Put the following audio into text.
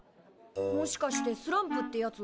もしかしてスランプってやつ？